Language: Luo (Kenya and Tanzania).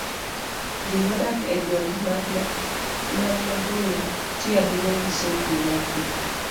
Ji modak e gwenge man maboyo tiyo ahinya gi sokni mag pi.